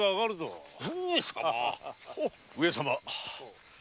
上様。